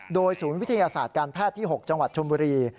โดยศูนย์วิทยาศาสตร์การแพทย์ที่๖จังหวัดชมบุรี